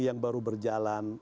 yang baru berjalan